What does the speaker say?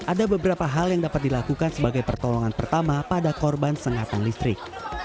ada beberapa hal yang dapat dilakukan sebagai pertolongan pertama pada korban sengatan listrik